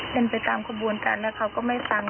เป็นไปตามขบวนการแล้วเขาก็ไม่ฟัง